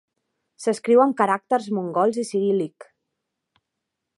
S'escriu amb caràcters mongols i ciríl·lic.